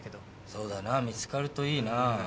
そうだな見つかるといいなぁ。